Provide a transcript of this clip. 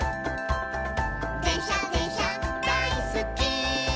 「でんしゃでんしゃだいすっき」